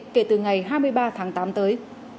kể từ ngày hai mươi ba tháng tám tới